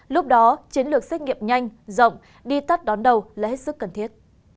lúc đó chiến lược xét nghiệm nhanh rộng đi tắt đón đầu là hết sức cần thiết